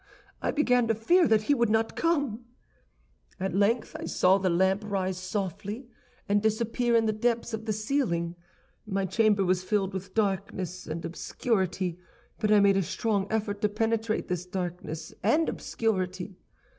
I began to fear that he would not come. "At length I saw the lamp rise softly, and disappear in the depths of the ceiling; my chamber was filled with darkness and obscurity, but I made a strong effort to penetrate this darkness and obscurity.